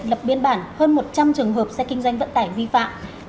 lập biên bản hơn một trăm linh trường hợp xe kinh doanh vận tải vi phạm